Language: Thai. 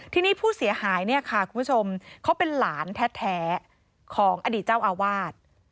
ทีนี้ผู้เสียหายเนี่ยค่ะคุณผู้ชมเขาเป็นหลานแท้ของอดีตเจ้าอาวาส